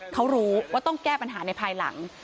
เขารู้ว่าต้องแก้ปัญหาในภายหลัง